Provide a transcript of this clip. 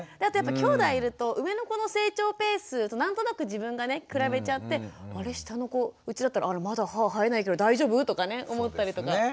あとやっぱきょうだいいると上の子の成長ペースと何となく自分がね比べちゃってあれ下の子うちだったらあれまだ歯生えないけど大丈夫？とかね思ったりとか。